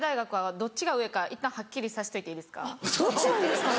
どっちなんですかね？